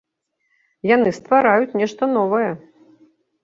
Яны ствараюць нешта новае.